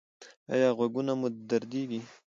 ایا غوږونه مو دردیږي؟